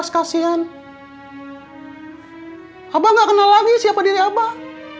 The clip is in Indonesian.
kasihan abah nggak kenal lagi siapa diri abah